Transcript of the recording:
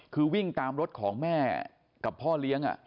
คือวิ่งตามรถของแม่กับพ่อเลี้ยง